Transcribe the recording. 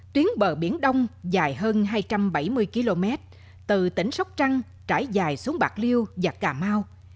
tuyến bờ biển đông dài hơn hai trăm bảy mươi km từ tỉnh sóc trăng trải dài xuống bạc liêu và cà mau